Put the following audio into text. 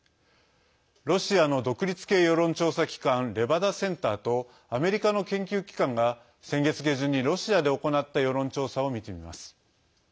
ロシアの独立系世論調査機関レバダセンターとアメリカの研究機関が先月下旬にロシアで行った世論調査を見てみます。